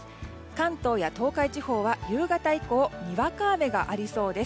関東や東海地方は夕方以降にわか雨がありそうです。